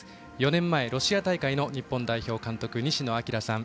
４年前ロシア大会の日本代表監督西野朗さん。